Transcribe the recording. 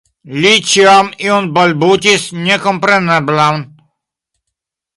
Li ĉiam ion balbutis nekompreneblan.